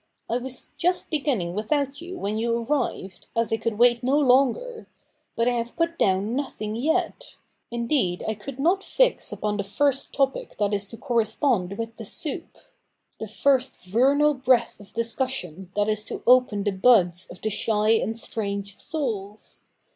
I was just beginning without you when you CH. i] THE NEW REPUBLIC 13 arrived, as I could wait no longer ; but I have put down nothing yet : indeed I could not fix upon the first topic that is to correspond with the soup — the first vernal breath of discussion that is to open the buds of the shy and strange souls.